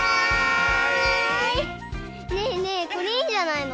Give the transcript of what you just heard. ねえねえこれいいんじゃないの？